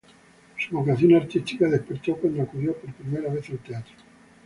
Su vocación artística despertó cuando acudió por primera vez al teatro.